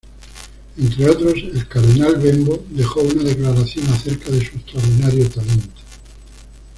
Entre otros, el cardenal Bembo dejó una declaración acerca de su extraordinario talento.